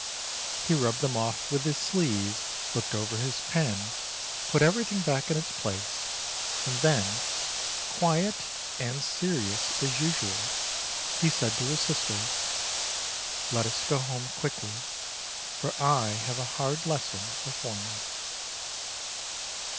He rubbed them off with his sleeve, looked over his pen, put everything back in its place, and then, quiet and serious as usual, he said to his sister, "Let us go home quickly, for I have a hard lesson before me."